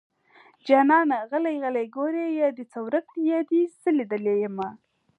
جانانه غلی غلی ګورې يا دې څه ورک دي يا دې زه ليدلې يمه